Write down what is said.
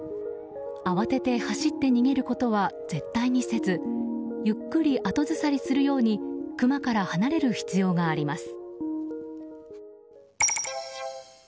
慌てて走って逃げることは絶対にせずゆっくり後ずさりするようにクマから離れる必要があります。